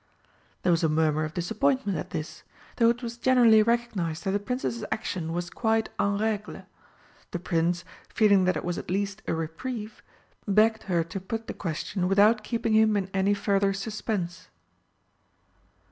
There was a murmur of disappointment at this, though it was generally recognised that the Princess's action was quite en règle. The Prince, feeling that it was at least a reprieve, begged her to put the question without keeping him in any further suspense.